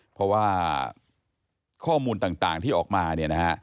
เพราะว่าข้อมูลต่างที่ออกมาเนี่ยนะฮะ